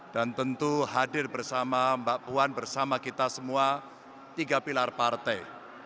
dan tentu hadir bersama mbak puan bersama kita semua tiga pilar partai